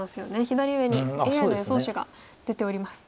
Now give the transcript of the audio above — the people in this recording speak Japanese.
左上にＡＩの予想手が出ております。